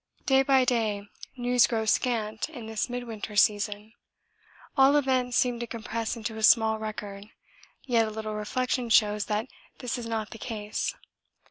Day by day news grows scant in this midwinter season; all events seem to compress into a small record, yet a little reflection shows that this is not the case.